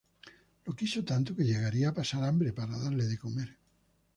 Lo quiso tanto que llegaría a pasar hambre para darle de comer.